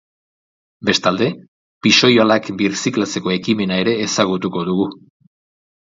Bestalde, pixoihalak birziklatzeko ekimena ere ezagutuko dugu.